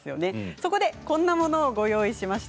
そこでこんなものをご用意しました。